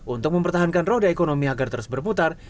untuk mempertahankan roda ekonomi agar terus berputar